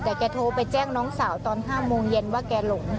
แต่แกโทรไปแจ้งน้องสาวตอน๕โมงเย็นว่าแกหลง